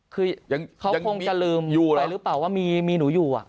คือเขาคงจะลืมอยู่หรือเปล่าว่ามีมีหนูอยู่อ่ะ